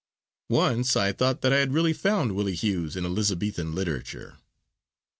Once I thought that I had really found Willie Hughes in Elizabethan literature.